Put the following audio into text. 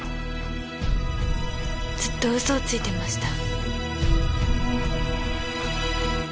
ずっと嘘をついてました。